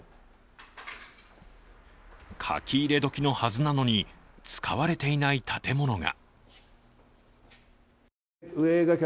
書き入れ時のはずなのに使われていない建物が。